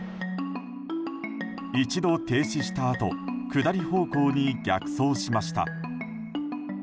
一度停止したあと下り方向に逆走しました。